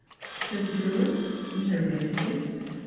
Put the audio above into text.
" said the Curate interrogatively.